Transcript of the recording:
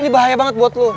ini bahaya banget buat lo